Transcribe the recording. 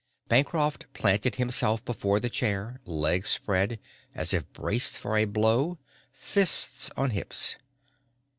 Bancroft planted himself before the chair, legs spread wide as if braced for a blow, fists on hips.